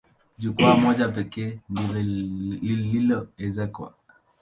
Jukwaa moja pekee ndilo lililoezekwa.